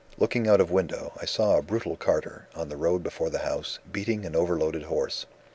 "Looking out of window, I saw a brutal carter, on the road before the house, beating an over loaded horse.